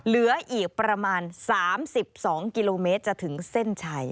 เหลืออีกประมาณ๓๒กิโลเมตรจะถึงเส้นชัย